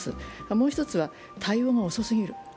もう１つは、対応が遅すぎる。